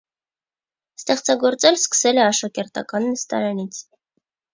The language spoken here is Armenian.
Ստեղծագործել սկսել է աշակերտական նստարանից։